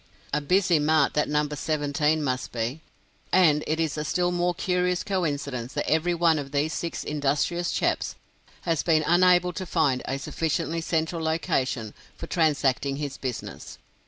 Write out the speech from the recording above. A busy mart that No. 17 must be! And it is a still more curious coincidence that every one of these six industrious chaps has been unable to find a sufficiently central location for transacting his business.